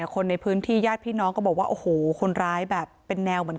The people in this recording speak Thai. คนในพื้นที่ญาติพี่น้องก็บอกว่าโอ้โหคนร้ายแบบเป็นแนวเหมือน